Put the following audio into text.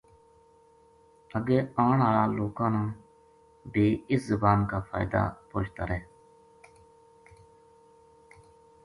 اگے آن ہالا لوکاں نا بے اس زبان کا فائدہ پوہچتا رہ